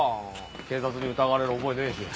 警察に疑われる覚えねえし。